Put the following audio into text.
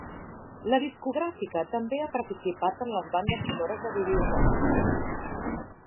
La discogràfica també ha participat en les bandes sonores de videojocs.